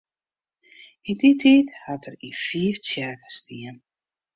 Yn dy tiid hat er yn fiif tsjerken stien.